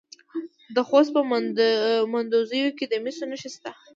د خوست په مندوزیو کې د مسو نښې شته.